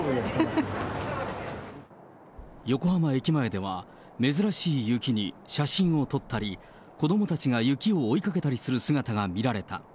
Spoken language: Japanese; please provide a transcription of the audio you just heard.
横浜駅前では、珍しい雪に写真を撮ったり、子どもたちが雪を追いかけたりする姿が見られた。